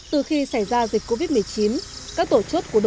từ khi xảy ra dịch covid một mươi chín các tổ chốt của đồng bộ